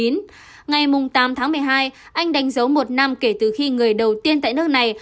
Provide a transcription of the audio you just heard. ngày tám tháng một mươi hai anh đánh dấu một năm kể từ khi người đầu tiên tại nước này